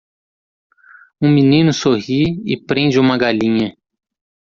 Um menino sorri e prende uma galinha.